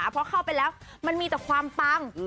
พอเข้าไปแล้วมันมีแต่ความปัง